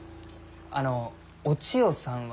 あのお千代さんは。